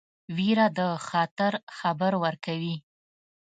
ویره د خطر خبر ورکوي.